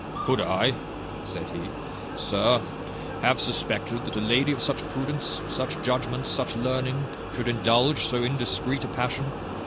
"Could I," said he, "sir, have suspected that a lady of such prudence, such judgment, such learning, should indulge so indiscreet a passion!